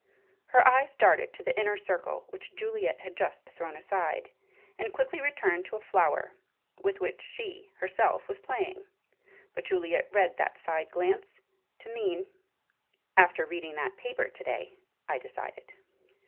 Her eyes darted to the Inner Circle which Juliet had just thrown aside, and quickly returned to a flower with which she herself was playing. But Juliet read that side glance to mean "After reading that paper to day, I decided."